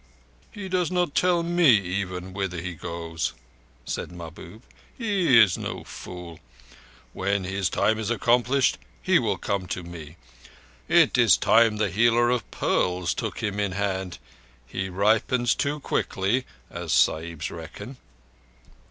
"He does not tell me, even, whither he goes," said Mahbub. "He is no fool. When his time is accomplished he will come to me. It is time the healer of pearls took him in hand. He ripens too quickly—as Sahibs reckon."